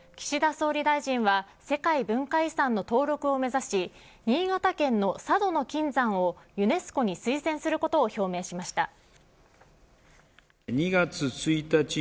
岸田総理大臣は世界文化遺産の登録を目指し新潟県の佐渡島の金山をユネスコに推薦することを決めました。